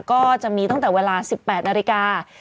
ก็จะมีตั้งแต่เวลา๑๘นาฬิกา